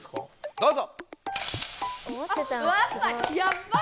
どうぞ！